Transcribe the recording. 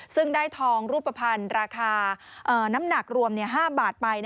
ซึ่งได้ทองรูปภัณฑ์ราคาน้ำหนักรวม๕บาทไป